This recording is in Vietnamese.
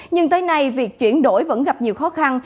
nhưng tới nay việc chuyển đổi vẫn gặp nhiều khó khăn